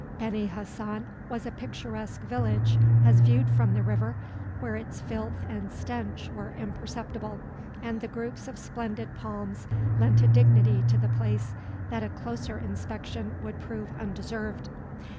Beni Hassan was a picturesque village as viewed from the river, where its filth and stench were imperceptible, and the groups of splendid palms lent a dignity to the place that a closer inspection would prove undeserved.